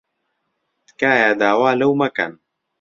تکایە داوا لەو مەکەن.